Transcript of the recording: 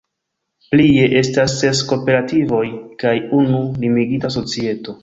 Prie estas ses kooperativoj kaj unu limigita societo.